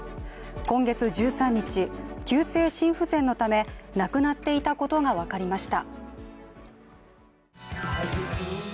今月１３日、急性心不全のため亡くなっていたことが分かりました。